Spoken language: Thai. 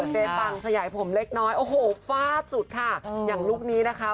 ภาพสุดค่ะอย่างลูกนี้นะคะ